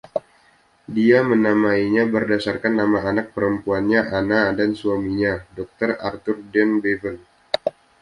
Dia menamainya berdasarkan nama anak perempuannya Anna dan suaminya, Dokter Arthur Dean Bevan.